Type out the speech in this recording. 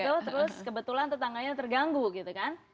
betul terus kebetulan tetangganya terganggu gitu kan